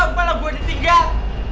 malah gua ditinggal